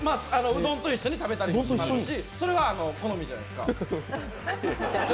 うどんと一緒に食べたりしますし、それは好みじゃないですか。